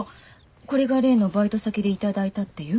これが例のバイト先で頂いたっていう？